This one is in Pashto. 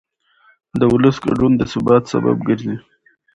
د ولس ګډون د ثبات سبب ګرځي